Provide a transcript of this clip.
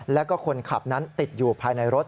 แล้วก็คนขับนั้นติดอยู่ภายในรถ